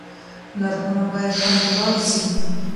نرخونه بايد کنټرول سي.